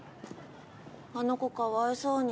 あの子かわいそうに。